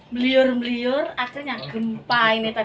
meliur meliur akhirnya gempa